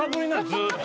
ずっと。